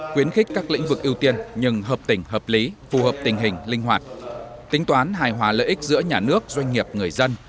khuyến khích các lĩnh vực ưu tiên nhưng hợp tình hợp lý phù hợp tình hình linh hoạt tính toán hài hòa lợi ích giữa nhà nước doanh nghiệp người dân